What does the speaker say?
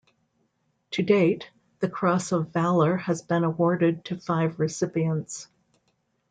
To date, the Cross of Valour has been awarded to five recipients.